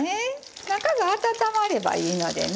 中が温まればいいのでね。